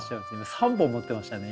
３本持ってましたね